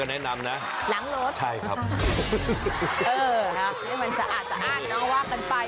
เออเพราะมันจะอาจอ้างน้องว่ากันไป